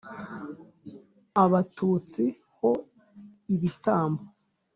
abatutsi ho ibitambo”